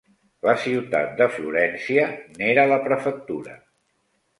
La ciutat de Florència n'era la prefectura.